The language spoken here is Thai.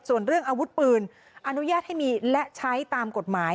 ส่วนเรื่องอาวุธปืนอนุญาตให้มีและใช้ตามกฎหมาย